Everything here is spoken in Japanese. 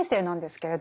けれど